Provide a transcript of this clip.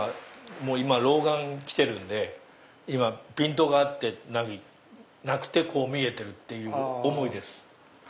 もう今老眼来てるんでピントが合ってなくてこう見えてるっていう思いです。